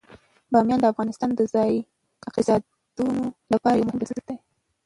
بامیان د افغانستان د ځایي اقتصادونو لپاره یو مهم بنسټ دی.